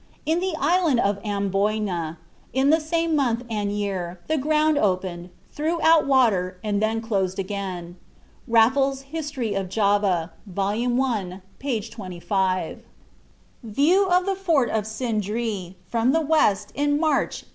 "In the island of Amboyna, in the same month and year, the ground opened, threw out water and then closed again." (Raffles's "History of Java," vol. i., p. 25.) VIEW OF THE FORT OF SINDREE FROM THE WEST IN MARCH, 1839.